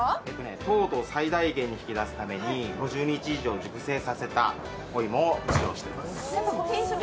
糖度を最大限に引き出すために５０日以上熟成させたお芋を使用しています。